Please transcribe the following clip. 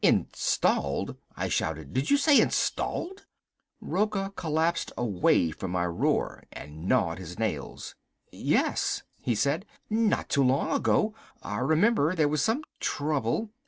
"Installed!" I shouted. "Did you say installed?" Rocca collapsed away from my roar and gnawed his nails. "Yes " he said, "not too long ago. I remember there was some trouble...."